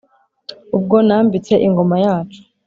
Ubwo nambitse ingoma yacu